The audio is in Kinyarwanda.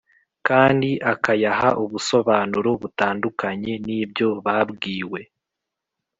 kandi akayaha ubusobanuro butandukanye n’ibyo babwiwe